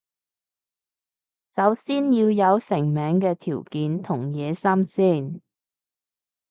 首先要有成名嘅條件同野心先